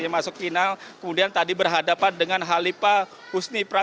masuk final kemudian tadi berhadapan